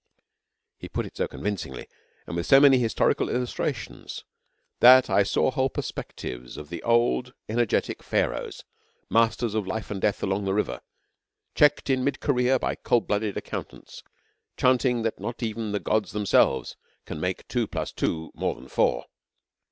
He put it so convincingly and with so many historical illustrations that I saw whole perspectives of the old energetic Pharaohs, masters of life and death along the River, checked in mid career by cold blooded accountants chanting that not even the Gods themselves can make two plus two more than four.